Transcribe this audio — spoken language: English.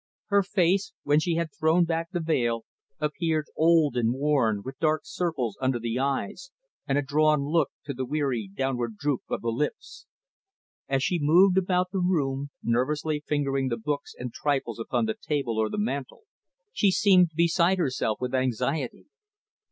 Her face, when she had thrown back the veil, appeared old and worn, with dark circles under the eyes, and a drawn look to the weary, downward droop of the lips. As she moved about the room, nervously fingering the books and trifles upon the table or the mantle, she seemed beside herself with anxiety.